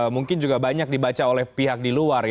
mungkin juga banyak dibaca oleh pihak di luar